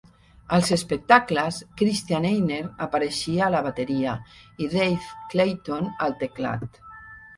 Als espectacles, Christian Eigner apareixia a la bateria, i Dave Clayton al teclat.